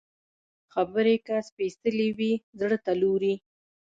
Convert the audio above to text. خبرې که سپېڅلې وي، زړه ته لوري